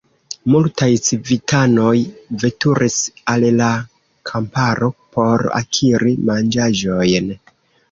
Multaj civitanoj veturis al la kamparo por akiri manĝaĵojn.